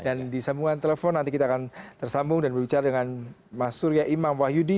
dan di sambungan telepon nanti kita akan tersambung dan berbicara dengan mas surya imam wahyudi